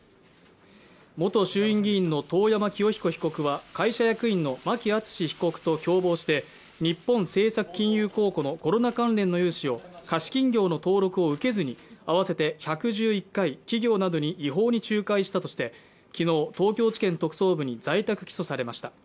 元衆院議員の遠山清彦被告は会社役員の牧厚被告と共謀して日本政策金融公庫のコロナ関連の融資を貸金業の登録を受けずに合わせて１１１回企業などに違法に仲介したとして昨日、東京地検特捜部に在宅起訴されました。